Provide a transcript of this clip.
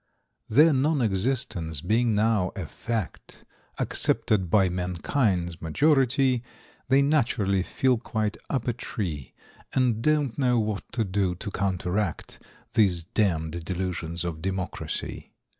"= Their non existence being now a "fact" `Accepted by mankind's majority, `They naturally feel quite "up a tree." They don't know what to do to counteract `These damned delusions of Democracy.